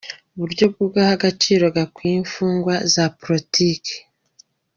Uburyo bwo guha agaciro gakwiye imfungwa za politiki